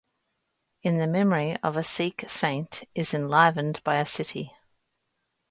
In the memory of a Sikh saint is enlivened by a city.